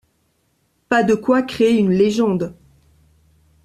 Pas de quoi créer une légende.